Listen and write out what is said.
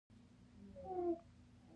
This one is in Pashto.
د افغانستان طبیعت له دغو کلیو جوړ شوی دی.